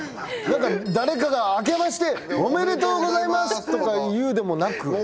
誰かが「明けましておめでとうございます！」とか言うでもなく。